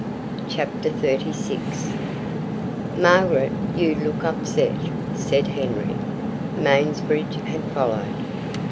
Chapter 36 "Margaret, you look upset!" said Henry. Mansbridge had followed.